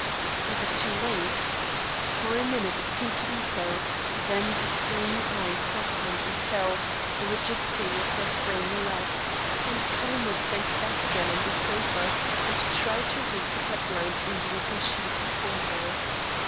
Was it too late? For a minute it seemed to be so; then the stony eyes softened and fell, the rigidity of her frame relaxed, and Carmel sank back again on the sofa and tried to read the headlines on the open sheet before her.